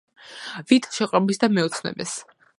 ვით შეყვარებულს და მეოცნებეს